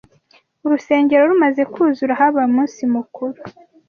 Urusengero rumaze kuzura habaye umunsi mukuru